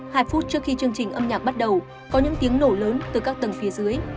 hai phút trước khi chương trình âm nhạc bắt đầu có những tiếng nổ lớn từ các tầng phía dưới